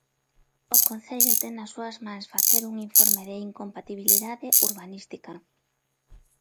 O Concello ten nas súas mans facer un informe de incompatibilidade urbanística.